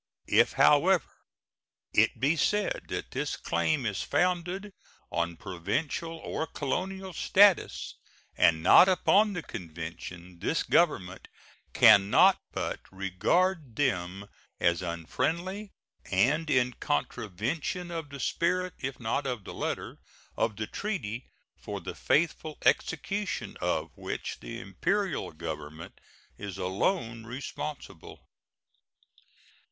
If, however, it be said that this claim is founded on provincial or colonial statutes, and not upon the convention, this Government can not but regard them as unfriendly, and in contravention of the spirit, if not of the letter, of the treaty, for the faithful execution of which the Imperial Government is alone responsible.